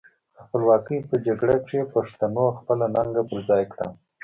د خپلواکۍ په جګړه کې پښتنو خپله ننګه پر خای کړه.